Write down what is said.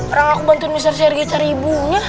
orang aku bantuin mister sergei cari ibunya